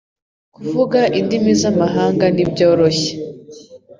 Kuvuga indimi z'amahanga ntibyoroshye